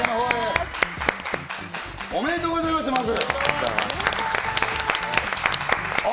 おめでとうございます、まず。